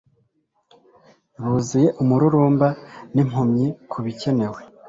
Buzuye umururumba n'impumyi kubikenewe